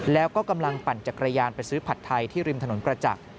แล้วก็กำลังปั่นจักรยานไปซื้อผัดไทยที่ริมถนนประจักษ์